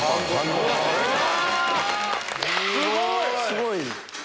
すごい！